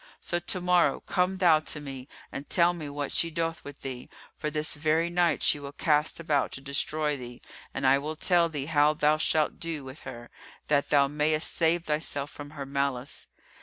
So to morrow, come thou to me and tell me what she doth with thee; for this very night she will cast about to destroy thee, and I will tell thee how thou shalt do with her, that thou mayst save thyself from her malice."